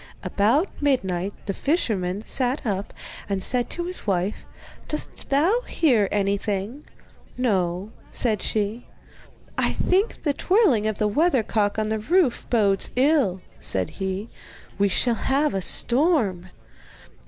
About midnight the fisherman sat up, and said to his wife: 'Dost thou hear anything?' 'No,' said she. 'I think the twirling of the weathercock on the roof bodes ill,' said he; 'we shall have a storm.